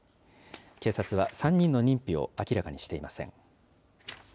警察は３人の認否を明らかにしていません。